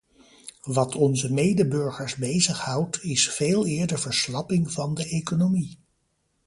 Wat onze medeburgers bezighoudt, is veeleer de verslapping van de economie.